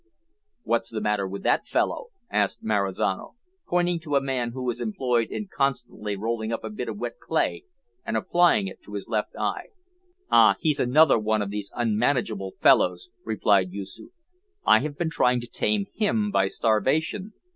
"What's the matter with that fellow?" asked Marizano, pointing to a man who was employed in constantly rolling up a bit of wet clay and applying it to his left eye. "Ah, he's another of these unmanageable fellows," replied Yoosoof. "I have been trying to tame him by starvation.